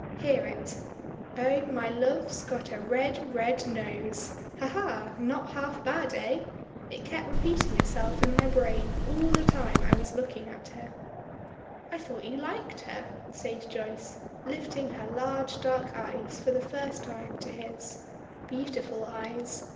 Hear it. 'Oh! my love's got a red, red nose!' Ha! ha! Not half bad, eh? It kept repeating itself in my brain all the time I was looking at her." "I thought you liked her," says Joyce, lifting her large dark eyes for the first time to his. Beautiful eyes!